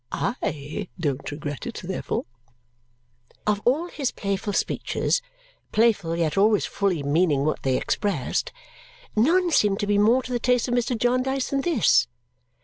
I don't regret it therefore." Of all his playful speeches (playful, yet always fully meaning what they expressed) none seemed to be more to the taste of Mr. Jarndyce than this.